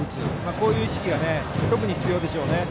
こういう意識が特に必要でしょう。